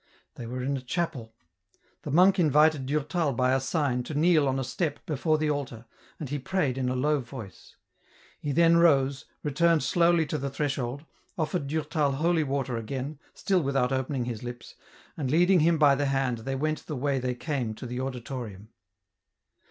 They were in a chapeL The monk invited Durtal by a sign to kneel on a step before the altar, and he prayed in a low voice ; he then rose, returned slowly to the threshold, offered Durtal holy water again, still without opening his lips, and leading him by the hand they went the way they came to the Auditorium.